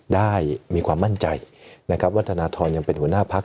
ได้มีความมั่นใจนะครับว่าธนทรยังเป็นหัวหน้าพัก